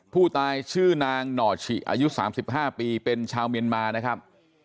ผู้ตายชื่อนางหน่อฉิอายุ๓๕ปีเป็นชาวเมียนมานะครับ